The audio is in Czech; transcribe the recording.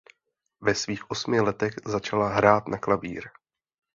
Ve svých osmi letech začala hrát na klavír.